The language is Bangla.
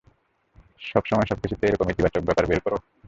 সবসময় সবকিছুতে এরকম ইতিবাচক ব্যাপার বের করো?